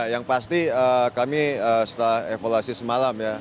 yang pasti kami setelah evaluasi semalam ya